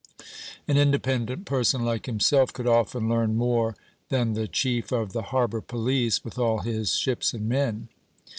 An independent person like himself could often learn more than the chief of the harbour police, with all his ships and men.